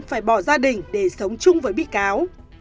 phải bỏ gia đình để sống chung với bị cáo